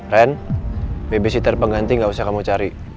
ren bbc terpengganti gak usah kamu cari